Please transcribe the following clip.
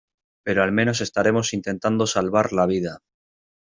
pero al menos estaremos intentando salvar la vida.